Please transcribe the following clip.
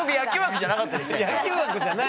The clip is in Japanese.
野球枠じゃない。